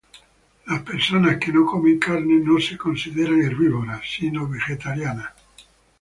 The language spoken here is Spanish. Las personas que no comen carne no son considerados herbívoros, sino vegetarianos.